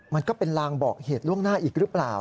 มันก็เป็นลางบอกเหตุล่วงหน้าอีกหรือเปล่า